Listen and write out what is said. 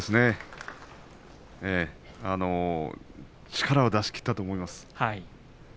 力は出し切ったと思います。